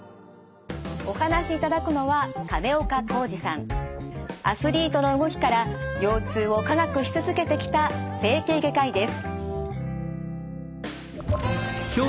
お話しいただくのはアスリートの動きから腰痛を科学し続けてきた整形外科医です。